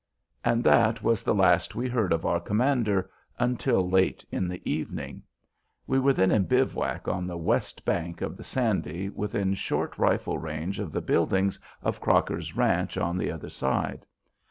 And that was the last we heard of our commander until late in the evening. We were then in bivouac on the west bank of the Sandy within short rifle range of the buildings of Crocker's Ranch on the other side.